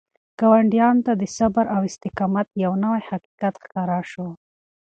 ګاونډیانو ته د صبر او استقامت یو نوی حقیقت ښکاره شو.